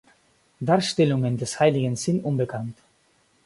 Darstellungen des Heiligen sind unbekannt.